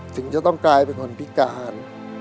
ถึงจะต้องกลายเป็นคนพิการ